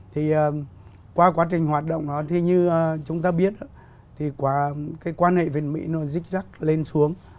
thì qua quá trình hoạt động như chúng ta biết thì quan hệ việt mỹ nó dích dắc lên xuống